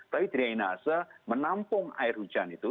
tapi drainase menampung air hujan itu